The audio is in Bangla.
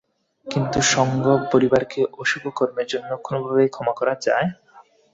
কিন্তু সংঘ পরিবারকে অশুভ কর্মের জন্য কোনোভাবেই ক্ষমা করা যায় না।